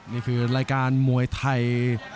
นี่คือรายการมวยไทย